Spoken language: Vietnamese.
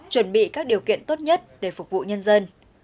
chuẩn bị các điều kiện tốt nhất để phục vụ nhân dân